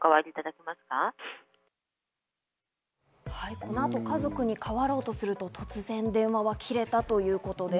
この後、家族に代わろうとすると、突然電話は切れたということです。